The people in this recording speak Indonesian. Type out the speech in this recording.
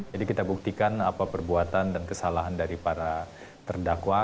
jadi kita buktikan apa perbuatan dan kesalahan dari para terdakwa